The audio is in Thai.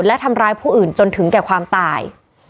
และทำร้ายผู้อื่นจนถึงแก่ความตาย